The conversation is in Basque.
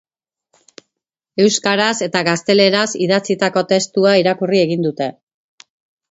Euskaraz eta gazteleraz idatzitako testua irakurri egin dute.